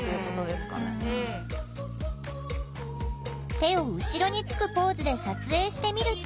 手を後ろにつくポーズで撮影してみると。